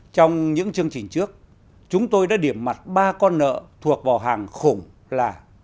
trong những chương trình trước chúng tôi đã điểm mặt ba con nợ thuộc vào hàng khủng là